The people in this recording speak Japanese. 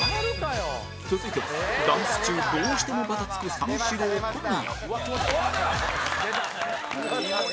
続いてはダンス中どうしてもバタつく三四郎小宮